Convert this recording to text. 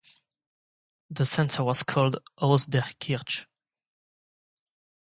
The centre was called Haus der Kirche.